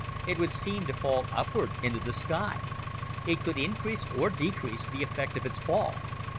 It would seem to fall upward into the sky. It could increase or decrease the effect of its fall.